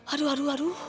aduh aduh aduh